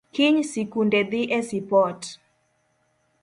Kiny sikunde dhi e sipot